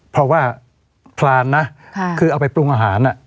เพราะว่าพรานนะคือเอาไปปรุงอาหาร